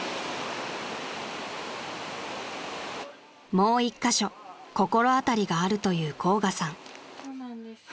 ［もう一カ所心当たりがあるという甲賀さん］